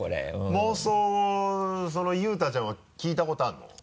妄想を佑太ちゃんは聞いたことあるの？